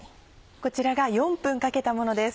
こちらが４分かけたものです。